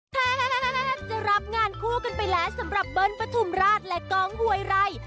โปรดติดตามตอนต่อไป